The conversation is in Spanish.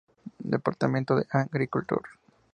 Department of Agriculture".